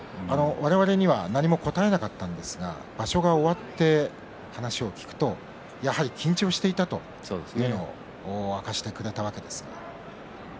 我々には何も答えなかったんですが場所が終わって話を聞くとやはり緊張していたということを明かしてくれたわけですが。